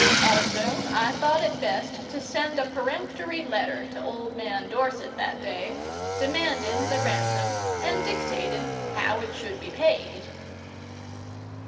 Also, I thought it best to send a peremptory letter to old man Dorset that day, demanding the ransom and dictating how it should be paid.